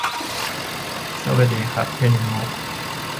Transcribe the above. สวัสดีครับ เทนงุ !